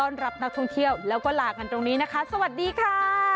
รับนักท่องเที่ยวแล้วก็ลากันตรงนี้นะคะสวัสดีค่ะ